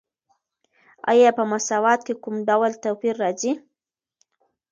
آیا په مساوات کې کوم ډول توپیر راځي؟